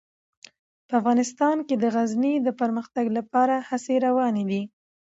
په افغانستان کې د غزني د پرمختګ لپاره هڅې روانې دي.